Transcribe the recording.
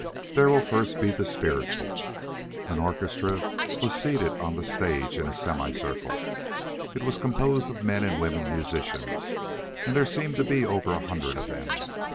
There will first be the spiritual." An orchestra was seated on the stage in a semi circle. It was composed of men and women musicians, and there seemed to be over a hundred of them.